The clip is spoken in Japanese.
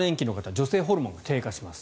女性ホルモンが低下します。